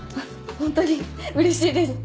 ホントにうれしいです。